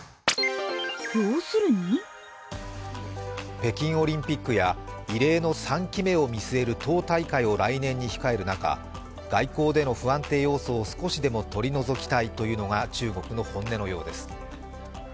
北京オリンピックや異例の３期目を見据える党大会を来年に控える中、外交での不安定要素を少しでも取り除きたいというのが中国の本音のようです。